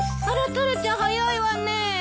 あらタラちゃん早いわね。